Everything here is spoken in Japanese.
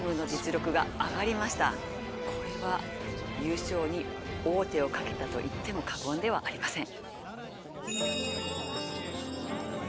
これは。をかけたと言っても過言ではありません。